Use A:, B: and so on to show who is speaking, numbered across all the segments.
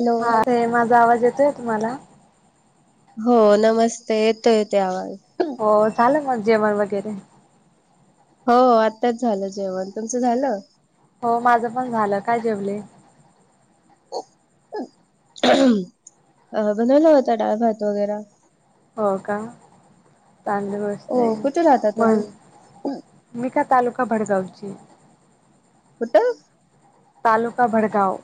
A: Hello
B: हा ते माझा आवाज येतोय तुम्हाला.
A: हो नमस्ते येतो येत आवाज.
B: हो झालं मग जेवण वगैरे.
A: हो आत्ताच झालं जेवण तुमचं झालं
B: हो माझं पण झालं काय जेवले?
A: अ बनवला होता डाळ भात वगैरा.
B: हो का चांगली
A: हो
B: गोष्टल
A: कुठे राहता
B: मण
A: तुम्ही
B: मिखा तालुका भडगावची
A: कुठं?
B: तालुका भडगाव.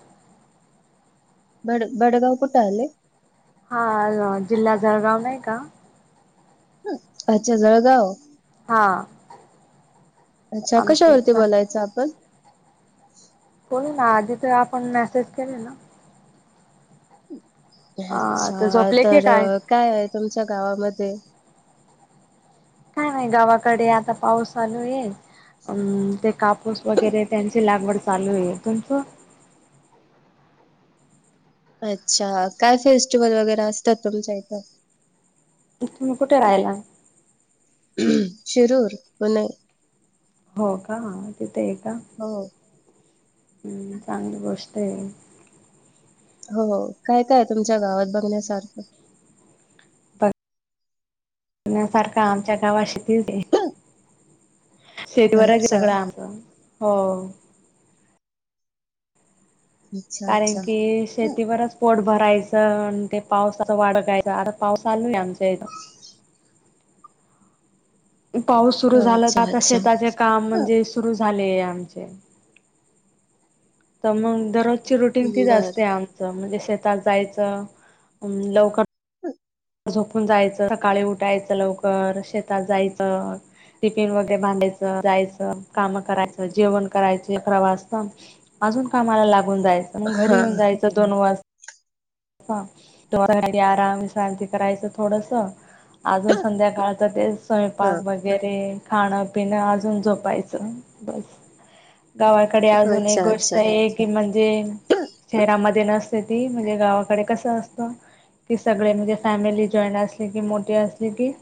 A: बड बडगाव कुठे आलय?
B: हा जिल्हा जळगाव नाही का?
A: अच्छा जळगाव.
B: हा
A: अच्छा कशावरती
B: आमचं
A: बोलायचं आपण?
B: बोल ना आ जीथ आपण मेसेज केले ना अ तर
A: अच्छा
B: झोपले की
A: तर
B: काय
A: काय
B: काय नाही गावाकडे आता पाऊस चालू आहे अ ते काप स वगरे त्यांची लागवड चालू आहे तुमचं
A: अच्छा काय फेस्टिवल वगैरे असतात तुमच्या इथं
B: तुम्ही कुठे राहिला
A: शिरूर पुणे
B: हो का तिथे आहे का
A: हो
B: हम् चांगली गोष्ट आहे
A: हो काय काय तुमच्या गावात बघण्यासारखं
B: ण्यासारखा आमच्या गावा शती शेतीवर आहे क
A: अच्छा
B: सगळं आमचं हो
A: अच्छा
B: कारण
A: अच्छा.
B: की
A: हं,
B: शेतीवरच पोट भरायचं आणि ते पावसाच वाढगायच आता पाऊस चालू आहे आमच्या इथ पाऊस सुरु झाला
A: अच्छा
B: तर आता
A: अच्छा.
B: शेताचे काम म्हणजे सुरू झाले आमचे तर मग दररोजची रुटीन तीच असते
A: बरं.
B: आमच म्हणजे शेतात जायचं लवकर
A: [inaudible]
B: झोपून जायचं सकाळी उठायचं लवकर शेतात जायचं टिफिन वगैरे बांधायचं जायचं काम करायचं जेवण करायचं अकरा वाजत अजून कामाला लागून जायचं मग घरी येऊन
A: हां.
B: जायचं दोन वाज आराम शांती करायचं थोडस अजून संध्याकाळ तर ते स्वयंपाक
A: हां.
B: बज वगैरे खाण पिण अजून झोपायचं बस गावात डे अजून एक
A: अच्छा अच्छा.
B: गोष्ट आहे की म्हणजे शहरामध्ये नसते ती म्हणजे गावा कस असत कि सगळे म्हणजे फॅमिली जॉईट असली की मोठी असली की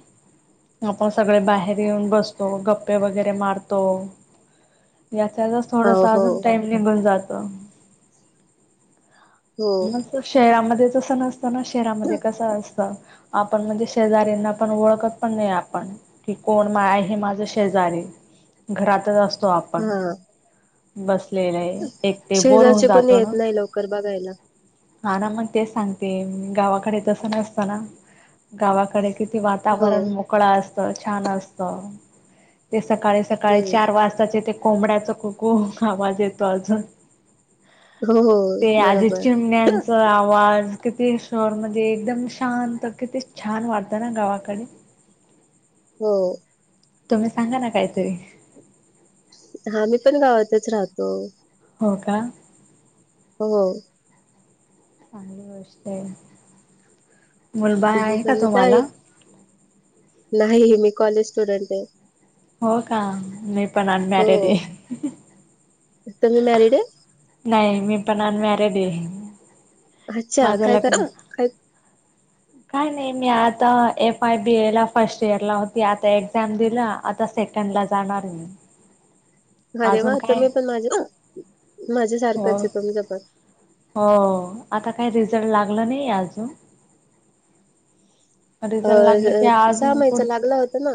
B: आपण सगळे बाहेर येऊन बसतो गप्पे वगैरे मारतो याचा थोडस
A: हो, हो.
B: अजून टाइम निघुन जात
A: हो.
B: मग शहरामध्ये तस नसतं ना शहरामध्ये कसं असत आपण म्हणजे शेजऱना पण ओळखत पण नाही आपण कि कोण मा हे माझं शेजारी घरातच असतो आपण
A: हां.
B: बसलेलं आहे एक ते बोर होऊन
A: शेजारचे पण
B: जातो ना
A: येत नाही लवकर बघायला
B: हा ना मग तेच सांगते गावाकडे तसं नसतं ना गावाकडे किती
A: हो.
B: वातावरण मोकळ असत छान असत ते सकाळी सकाळी
A: हं.
B: चार वाजताचे ते कोंबड्याचा कुकु आवाज येतो अजून
A: हो, हो.
B: ते आज
A: बरोबर.
B: चिमण्या त्यांचा आवाज किती शहर मध्ये एकदम शांत किती छान वाटत ना गावाकडे
A: हो
B: तुम्ही सांगा ना काहीतरी
A: हा मी पण गावातच राहतो
B: हो का
A: हो
B: चांली गोष्ट आहे मुलबाळ
A: मी
B: आहे का
A: पण काय
B: तुम्हाला
A: नाही मी कॉलेज स्टुडंट आहे
B: हो का मी पण
A: हो.
B: अनमॅरेड ये
A: तुम्ही मॅरिड आहेत
B: नाही मी पण अनम्यारेड
A: अच्छा.
B: माझं
A: काय कर
B: लग्न
A: [unintelligible]
B: काय नाही मी आता एफ आय बी ए ला फर्स्ट इयर ला होती आता एक्झाम दिला आता सेक त्यांला जाणार ये
A: अरे वा तुम्ही पण माझ
B: हो
A: माझ्यासारखंच तुमचं पण
B: हो आता काही रिझल्ट लागलं नाही अजून
A: अ,
B: रिझल्ट लागलं की आज
A: महिन्याचा
B: पुडत
A: लागला होता ना?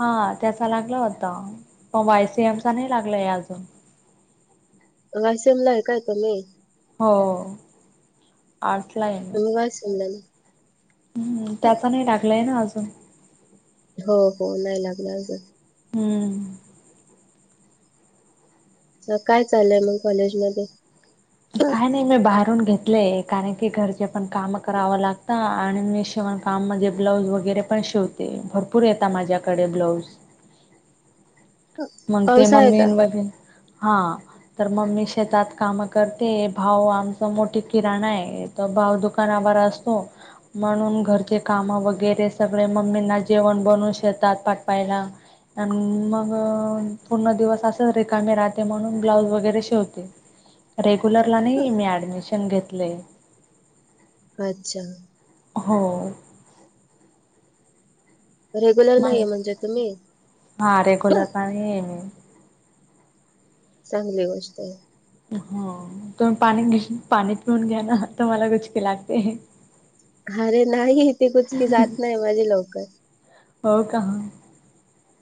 B: हा त्याचा लागला होत पण वायसीएम चा नाही लागलंय अजून
A: वायसीएमला आहे काय तुम्ही
B: हो आर्ट्स आहे
A: [unintelligible]
B: हम् त्याचा नाही लागलाय ना अजून
A: हो हो नाही लागलं अजून
B: हम्म
A: काय चालय मग कॉलेजमध्ये
B: काय नाही मी बाहेरून घेतलेय कारण की घरचे पण काम करावं लागत आणि मी शिवण काम म्हणजे ब्लाऊज वगैरे पण शिवते भरपूर येता माझ्याकडे ब्लाऊज मग ते
A: पाऊस आहे का?
B: मम्मीन वगै हा तर मम्मी शेतात काम करते भाऊ आमच मोठी किराणा आहे तर भाऊ दुकानावर असतो म्हणून घरचे कामं वगैरे सगळे मम्मींना जेवण बनवून शेतात पाठवायला अन् मग पूर्ण दिवस अस रिकामी राहते म्हणून ब्लाउज वगैरे शिवते रेग्युलरला नाही मी ऍडमिशन घेतलंय
A: अच्छा
B: हो
A: रेग्युलर
B: मला
A: नाहीये म्हणजे तुम्ही
B: हा रेग्युलरला नाही आहे मी
A: चांगली गोष्ट आहे
B: हो त पाणी पाणी पिऊन घ्या ना तर मला गुचकी लागते
A: अरे नाही इथे कुच की जात नाही माझे लवकर
B: हो का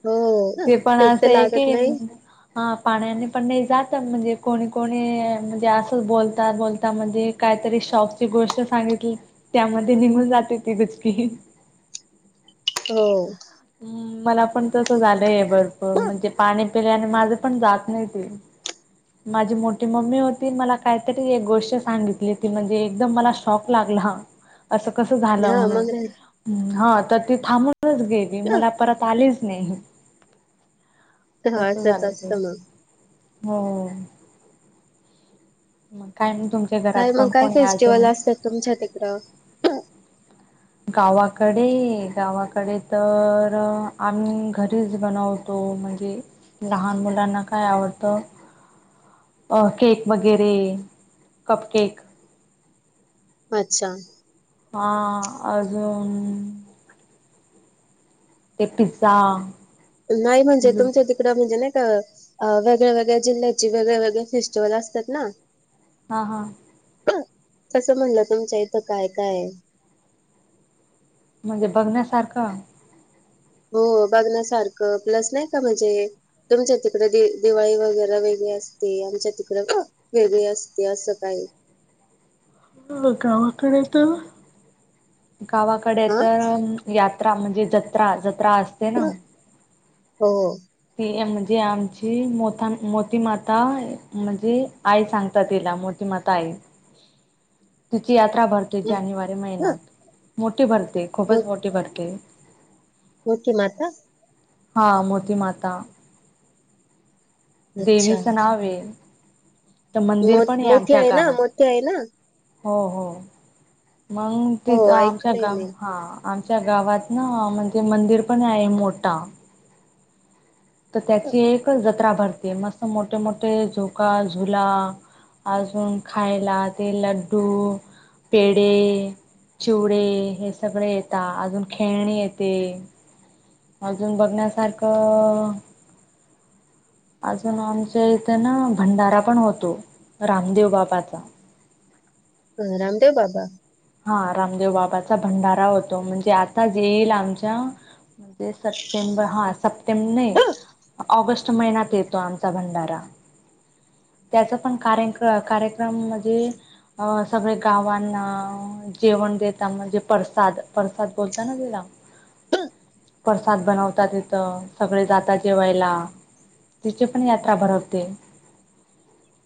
A: हो
B: ते पण
A: एक तर
B: असं आहे की
A: लागत नाही
B: हा पाण्याने पण नाही जात म्हणजे कोणी कोणी म्हणजे असं बोलतात बोलता म्हणजे काहीतरी शॉकची गोष्ट सांगितली त्यामध्ये निघून जाते ती कुचकी
A: हो
B: हम् मला पण तस झालंय भरपूर म्हणजे पाणी पिले आणि माझं पण जात नाही ते माझी मोठी मम्मी होती मला काहीतरी एक गोष्ट सांगितली ती म्हणजे एकदम मला शॉक लागला असं कस झालं
A: हा मग राहील.
B: म्हणून ह तर त थांबूनच गे मला परत आलेच नाही
A: हा
B: तस
A: असंच
B: झालं ते
A: असतं मग.
B: हो मग काय तुम
A: काय मग काय फेस्टिवल असतात तुमच्या तिकडं
B: गावाकडे गावाकडे तर आम्ही घरीच बनव तो म्हणजे लहान मुलांना काय आवडतं अ केक वगैरे कप केक
A: अच्छा
B: हा अजून ते पि्झा
A: नाही म्हणजे तुमच्या तड म्हणजे नाही का वेगळ्या वगळ्या जिल्ह्या वेगळ्या वगळे फेस्टिवल असतात ना
B: हा हा
A: ह कसं म्हणलं तुमच्या इथं काय काय
B: म्हणजे बघण्यासारखं
A: हो बघण्यासारखं प्लस नाही का म्हणजे तुमच्या तिकडे दि दिवाळी वगैरे वेगळी असते आमच्या तिकड का वेगळी असते असं काही
B: हो गावाकडे तर गावाकडे
A: हा
B: तर यात्रा म्हणजे जत्रा जत्रा अस ते ना
A: हो
B: ही म्हणजे आमची मोता मोतीमाता म्हणजे आई सांगताात तिला मोठी माता आई
A: [unintelligible]
B: तिची यात्रा भरतेय जानेवारी
A: मो
B: महिन्यात मोठी भरते खूपच मोठी भरते
A: मोठी माता
B: हा मोती माता
A: अच्छा
B: देवीचं नाव आहे तर मंदिर
A: मो
B: पण आहे
A: मोठी
B: आमच्या
A: ना
B: गावात
A: मोठी आहे ना
B: हो हो मग
A: हो
B: तिथं आमच्या
A: ऐकलंय
B: गाव
A: मी
B: हा आमच्या गावात ना म्हणजे मंदिर पण आहे मोठा तर
A: अ,
B: त्याची एक जत्रा भरतीय मस्त मोठे मोठे झोका धुला अजून खायला ते लड्डू पेढे चिवडे हे सगळे येतात अजून खेळणी येते अजून बघण्यासारखं अजून आमच्या इथे ना भंडारा पण होतो रामदेव बापाचा
A: अ रामदेव बाबा
B: हा रामदेव बाबाचा भंडारा होतो म्हणजे आता ज येईल आमच्या म्हणजे सप्टेंबर हा सप्टेंबर नही ऑगस्ट महिन्यात येतो आमचा भंडारा त्याचा पण कार्य कार्यक्रम म्हणजे अ सगळे गावांना जेवण देता म्हणजे प्रसाद प्रसाद बोलता ना तिला प्रसाद बनवतात तिथं सगळे जातात जेवायला तिची पण यात्रा भरवते
A: [unintelligible]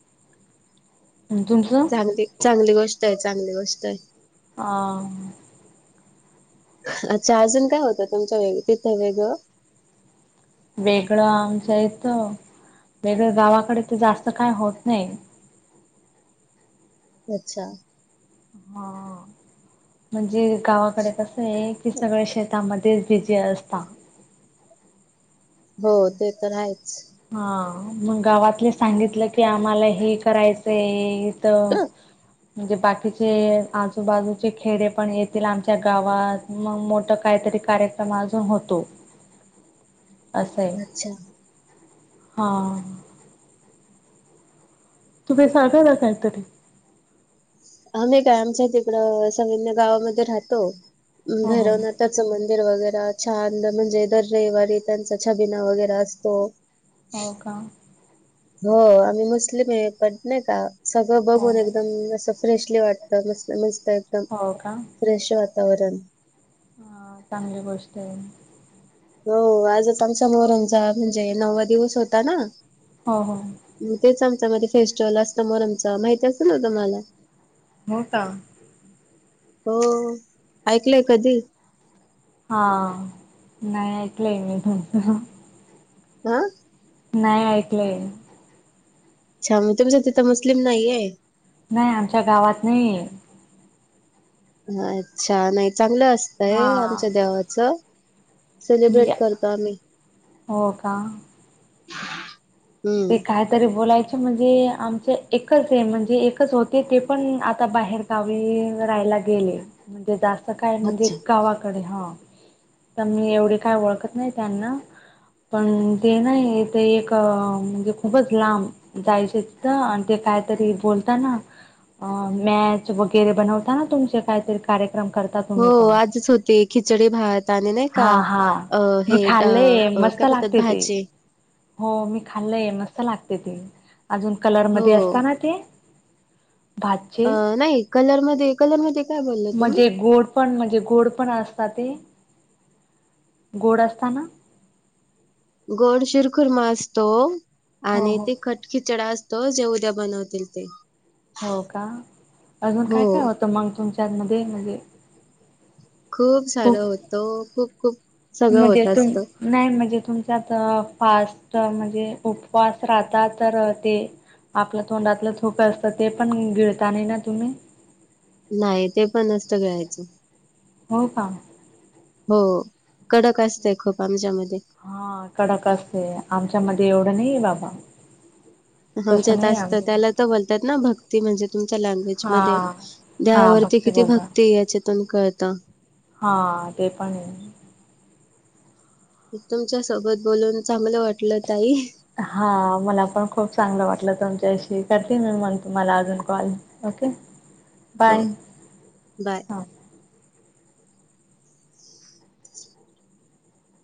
B: तुमचं
A: चांग चांगली गोष्ट आहे चांगली गोष्ट आहे
B: हा
A: अच्छा अजून काय होतं तुमच्या वैयक्तिक तिथं वेगळं
B: वेगळं आमचं येत वेगळं गावाकडे तर जास्त काय होत नाही
A: अच्छा
B: हा म्हणजे गावाकडे कसं आहे की सगळे शेतामध्येच बिजी असतात
A: हो ते तर आहेच
B: हा मग गावातले सांगितलं की आम्हाला हे करायचंय तो म्हणजे बाकीचे आजूबाजूचे खेडे पण येतील आमच्या गावात मग मोठ काहीतरी कार्यक्रम अजून होतो
A: [unintelligible]
B: असं आहे
A: अच्छा
B: हा तुम्ही सारख जातय तर.
A: आम्ही काय आमच्या तिकडं सविन्य गावामध्ये राहतो
B: हो हो
A: भैरवनाथ.. त्यांच मंदिर वगैरे छान म्हणजे दर रविवारी त्यांचा छबिना वगैरे असतो.
B: हो का?
A: हो आम्ही मुस्लिम आहे पण नाही का सगळं
B: हो
A: बघून
B: हो
A: एकदम असं. फ्रेशली वाटत मस्त मस्त एकदम
B: हो का.
A: फ्रेश वातावरण.
B: ह चांगली गोष्ट आहे.
A: हो आजच आमचा मोहरमचा म्हणजे नववा दिवस होता ना.
B: हो हो.
A: तेच आमच्या मध्ये फेस्टिवल असतं मोरमचा माहिती असेल ना तुम्हाला.
B: हो का?
A: हो ऐकलंय कधी.
B: हा नाही ऐकलंय मी तुमचं.
A: आ.
B: नाही ऐकलंय.
A: अच्छा मग तुमच्या तिथं मुस्लिम नाहीये.
B: नाही आमच्या गावात नाही.
A: अच्छा नाही चांगलं असतय
B: हा
A: आमच्या देवाचं.
B: म्हणजे
A: सेलिब्रेट करतो आम्ही.
B: हो का?
A: रिकामा ऑडिओ
B: ते काय? तरी बोलायचे म्हणजे आमचे एकच आहे म्हणजे एकच होते ते पण आता बाहेर.. गावी राहायला गेले म्हणजे जास्त काय म्हणजे
A: अच्छा
B: गावाकडे हा. तरी एवढे काय ओळखत नाही त्यांना पण ते नाही ते एक.. म्हणजे खूपच लांब जायचे तथं आणि ते कायतरी बोलताना.. अ मॅच वगैरे बनवताना तुमचे काहीतरी कार्यक्रम करत.
A: हो आजच होती खिचडी भात आणि नाही का
B: हा हा
A: अ
B: मी
A: हे.
B: खाल्लंय मस्त
A: का बोलतात
B: लागते ते
A: भाजी.
B: हो मी खाल्लंय मस्त लागते ते अजून कलर
A: हो
B: मध्ये असतं ना ते. भातचे
A: अ नाही कलरमध्ये कलरमध्येकाय बोलले तुम्ही.
B: म्हणजे गोड पण म्हणजे गोड पण असत ते गोड असता ना?
A: गोड शिरखुरमा असतो
B: हो
A: आणि
B: हो
A: ते तिखट.. खिचडा असतो जे उद्या बनवतील ते.
B: हो का अजून
A: हो
B: काय काय होतं मग तुमच्यामध्ये म्हणजे..
A: खूप सारा होतो खूप खूप. सगळं
B: मध्ये
A: होत
B: तुम
A: असतं
B: नाही म्हणजे तुमच्यात फास्ट म्हणजे उपवास राहता तर ते.. आपलं तोंडातलं थुंकी असतं ना ते पण गिळता नाही ना तुम्ही.
A: नाही ते पण नसतं गिळायचं.
B: हो का?
A: हो कडक असतय खूप आमच्यामध्ये.
B: हा कडक असते आमच्यामध्येध्ये एवढं नाही बाबा. तसं
A: आमच्यात
B: नाही
A: असतं
B: आमच्या
A: त्याला तर बोलतात ना भक्ती म्हणजे तुमच्या
B: हा
A: लँग्वेजमध्ये.
B: हा
A: देवावरती
B: भक्ती
A: किती
B: बोलता
A: भक्ती याच्यातून कळतं.
B: हा ते पण आहे.
A: तुमच्या सोबत बोलून चांगलं वाटल ताई.
B: हा मला पण खूप चांगलं वाटलं तुमच्याशी कधी मी म्हण तुम्हाला अजून कॉल. ओके
A: हो
B: बाय
A: बाय.
B: हा.